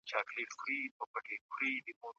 ایا مسلکي بڼوال بادام پروسس کوي؟